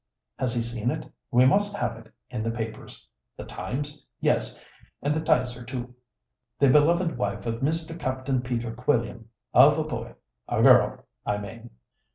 Has he seen it? We must have it in the papers. The Times? Yes, and the 'Tiser too. 'The beloved wife of Mr. Capt'n Peter Quilliam, of a boy a girl,' I mane.